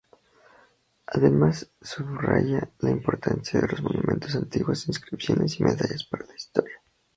Además subraya la importancia de los monumentos antiguos, inscripciones y medallas para la historia.